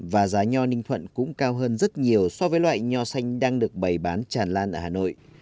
và giá nho ninh thuận cũng cao hơn rất nhiều so với loại nho xanh đang được bày bán tràn lan ở hà nội